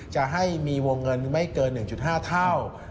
จะให้มีวงเงินไม่เกิน๑๕เท่า